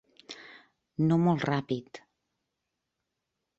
No molt ràpid.